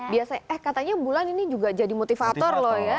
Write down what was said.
biasanya eh katanya bulan ini juga jadi motivator loh ya